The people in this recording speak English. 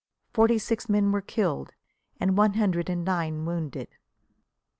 Forty six men were killed and one hundred and nine wounded."